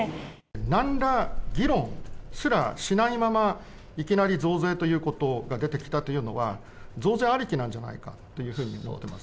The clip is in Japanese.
なんら議論すらしないまま、いきなり増税ということが出てきたというのは、増税ありきなんじゃないかというふうに思ってます。